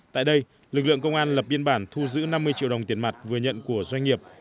tại đây lực lượng công an lập biên bản thu giữ năm mươi triệu đồng tiền mặt vừa nhận của doanh nghiệp